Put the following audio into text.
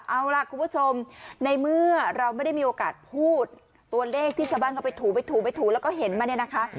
เอาล่ะคุณผู้ชมในเมื่อเราไม่ได้มีโอกาสพูดตัวเลขที่ชาวบ้านก็ไปถูไปถูไปถูแล้วก็เห็นมาเนี่ยนะคะ